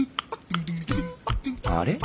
あれ？